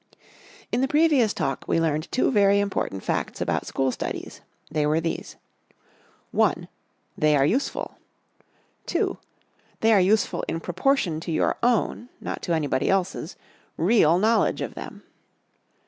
_ In the previous Talk we learned two very important facts about school studies. They were these: I. They are useful. II. They are useful in proportion to our own (not to anybody else's) real knowledge of them.